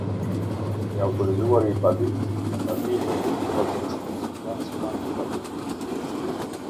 I autorizuari i paditësit, në padi ka theksuar se është mësimdhënës pranë të paditurës.